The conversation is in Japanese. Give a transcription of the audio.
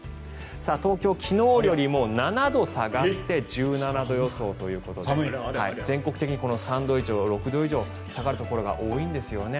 東京、昨日よりも７度下がって１７度予想ということで全国的に３度以上６度以上下がるところが多いんですよね。